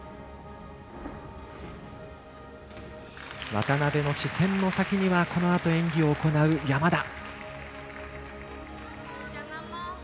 渡部の視線の先にはこのあと演技を行う山田。